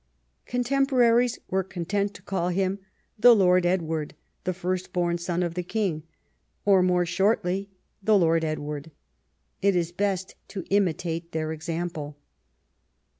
Contemporaries were content to call him " the Lord Edward, the first born son of the King," or, more shortly, " the Lord Edward." It is best to imitate their example.